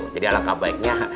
jadi alangkah baiknya